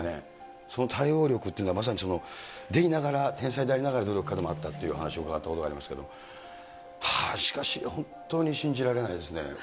その対応力というのはまさに、でいながら、天才でありながら、努力家でもあったというふうに伺ったことありますけれども、しかし、本当に信じられないですね。